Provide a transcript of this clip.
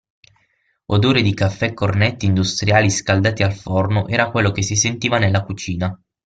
Odore di caffè e cornetti industriali scaldati al forno era quello che si sentiva nella cucina.